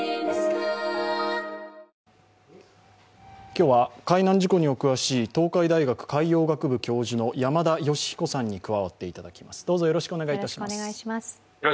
今日は海難事故にお詳しい東海大学海洋学部教授の山田吉彦さんに加わっていただきます。